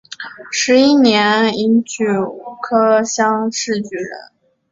十一年乙酉科乡试举人。